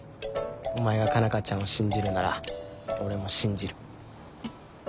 お前が佳奈花ちゃんを信じるなら俺も信じる。